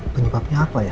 penyebabnya apa ya